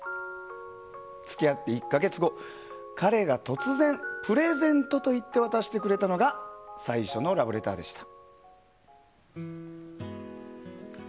付き合って１か月後彼が突然「プレゼント」と言って渡してくれたのが最初のラブレターでした。